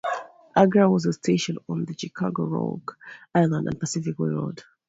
Agra was a station on the Chicago, Rock Island and Pacific Railroad.